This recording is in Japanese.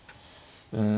うん。